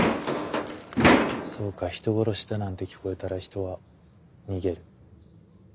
そうか人殺しだなんて聞こえたら人は逃げる。